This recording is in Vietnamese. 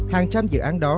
hàng trăm dự án